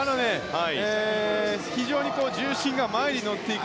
非常に重心が前に乗っていく。